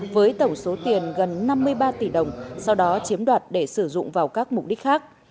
với tổng số tiền gần năm mươi ba tỷ đồng sau đó chiếm đoạt để sử dụng vào các mục đích khác